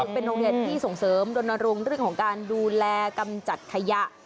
เป็นโรงเรียนที่ส่งเสริมดนรงค์เรื่องของการดูแลกำจัดขยะ